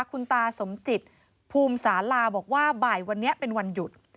คุณตาสมจิตภูมิสาลาบอกว่าบ่ายวันนี้เป็นวันหยุด